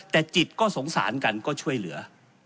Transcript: แต่จิตก็สงสารกันก็ช่วยเหลือ